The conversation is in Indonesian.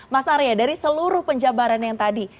mas arya dari seluruh penjabaran yang tadi